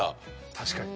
確かに。